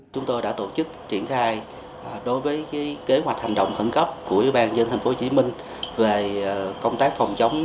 chúng tôi đã tổ chức triển khai đối với kế hoạch hành động khẩn cấp của bnd tp hcm về công tác phòng chống